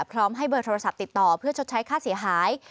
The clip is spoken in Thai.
พร้อมให้เบอร์โทรศัพท์ติดต่อเพื่อชดใช้ค่าเสียหาย